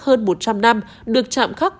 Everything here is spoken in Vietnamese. hơn một trăm linh năm được chạm khắc